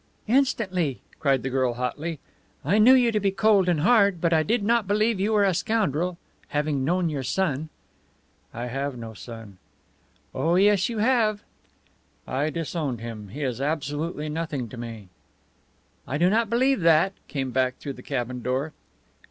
"Instantly!" cried the girl, hotly. "I knew you to be cold and hard, but I did not believe you were a scoundrel having known your son!" "I have no son." "Oh, yes, you have!" "I disowned him. He is absolutely nothing to me." "I do not believe that," came back through the cabin door.